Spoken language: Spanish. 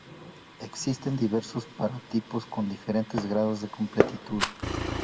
Existen diversos paratipos con diferentes grados de completitud.